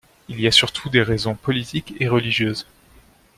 Il y a surtout des raisons politiques et religieuses.